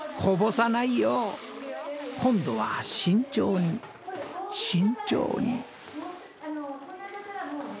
こぼさないよう今度は慎重に慎重に。